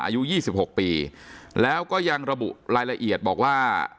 อายุ๒๖ปีแล้วก็ยังระบุรายละเอียดบอกว่า